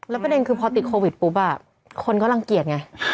ประเด็นคือพอติดโควิดปุ๊บคนก็รังเกียจไง